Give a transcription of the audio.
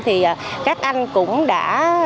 thì các anh cũng đã